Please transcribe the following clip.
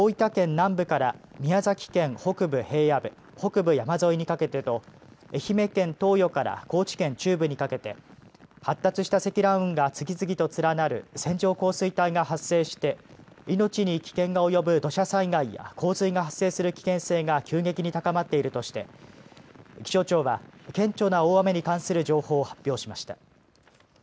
南部から宮崎県北部平野部、北部山沿いにかけてと愛媛県東予から高知県中部にかけて発達した積乱雲が次々と連なる線状降水帯が発生して命に危険が及ぶ土砂災害や洪水が発生する危険性が急激に高まっているとして気象庁は顕著な大雨に関する情報を発表しました。